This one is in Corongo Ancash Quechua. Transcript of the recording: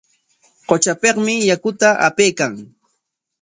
Qutrapikmi yakuta apaykan.